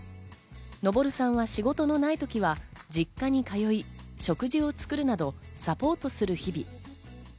のぼるさんは仕事のない時は実家に通い、食事を作るなどサポートする日々。